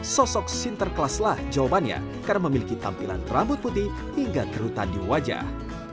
sosok sinterklaslah jawabannya karena memiliki tampilan rambut putih hingga kerutan di wajah